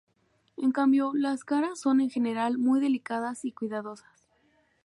En cambio, las caras son en general muy delicadas y cuidadosas.